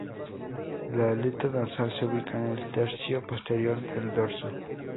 La aleta dorsal se ubica en el tercio posterior del dorso.